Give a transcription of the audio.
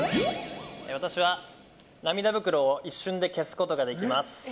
私は涙袋を一瞬で消すことができます。